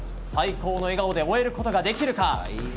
最高の笑顔で終えることができるか？